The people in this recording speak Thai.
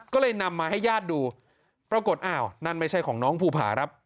ก็เลยนำมาให้ญาติดูปรากฏอ้าวนั่นไม่ใช่ของน้องภูผาครับ